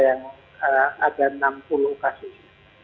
yang ada enam puluh kasus